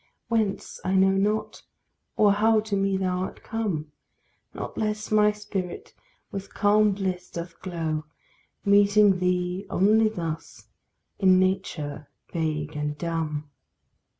Whence I know not, or how to me thou art come! Not less my spirit with calm bliss doth glow, Meeting thee only thus, in nature vague and dumb.